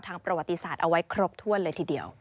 ประวัติศาสตร์เอาไว้ครบถ้วนเลยทีเดียว